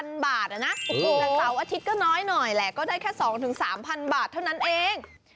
แต่เสาร์อาทิตย์ก็น้อยหน่อยแหละก็ได้แค่๒๓๐๐บาทเท่านั้นเอง